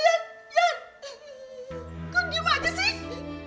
lo di mana sih